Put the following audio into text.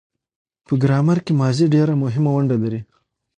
په ګرامر کښي ماضي ډېره مهمه ونډه لري.